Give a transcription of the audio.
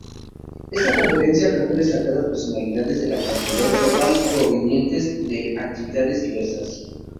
Esta conferencia reúne a destacadas personalidades de la comunidad global, provenientes de actividades diversas.